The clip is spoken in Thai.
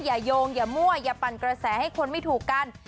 โยงอย่ามั่วอย่าปั่นกระแสให้คนไม่ถูกกัน